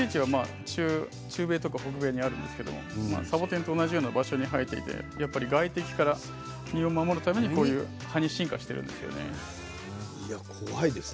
中米とか北米にあるんですけれどサボテンと同じようなところにあって外敵から身を守るためにこのような葉に進化しています。